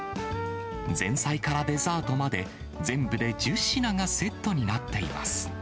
前菜からデザートまで、全部で１０品がセットになっています。